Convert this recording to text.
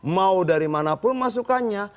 mau dari mana pun masukannya